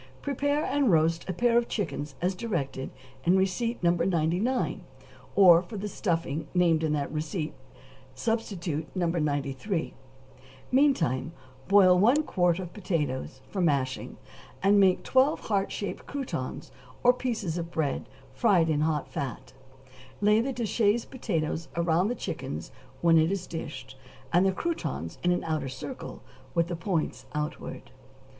= Prepare and roast a pair of chickens as directed in receipt No. 99; or for the stuffing named in that receipt substitute No. 93; meantime boil one quart of potatoes, for mashing, and make twelve heart shaped croutons or pieces of bread fried in hot fat: lay the Duchesse potatoes around the chickens when it is dished, and the croutons in an outer circle, with the points outward.